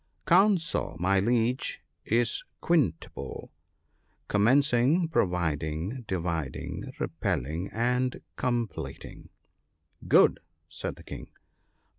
Counsel, my Liege, is quintuple, — Commencing, pro viding, dividing, repelling, and completing/ * Good !' said the King.